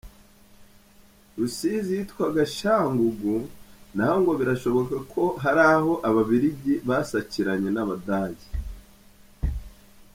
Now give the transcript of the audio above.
Rusizi yitwaga Shangugu, naho ngo birashoboka ko hari aho Ababiligi basakiranye n’Abadage.